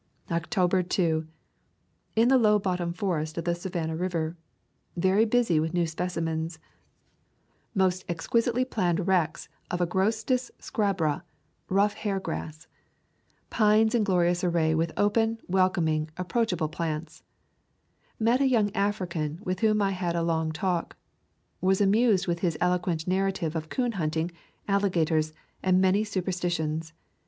October 2. In the low bottom forest of the Savannah River. Very busy with new speci mens. Most exquisitely planned wrecks of [ 58 ] SPANISH MOSS (Yilandsia) River Country of Georgia Agrostis scabra [Rough Hair Grass]. Pines in glorious array with open, welcoming, approach able plants. Met a young African with whom I had a long talk. Was amused with his eloquent narrative of coon hunting, alligators, and many super stitions.